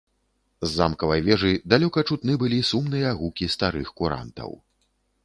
З замкавай вежы далёка чутны былі сумныя гукі старых курантаў.